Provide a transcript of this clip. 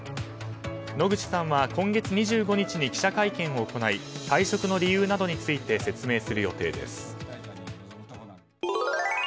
野口さんは今月２５日に記者会見を行い退職の理由などについて説明する予定です。